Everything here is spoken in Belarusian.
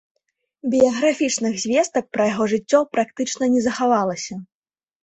Біяграфічных звестак пра яго жыццё практычна не захавалася.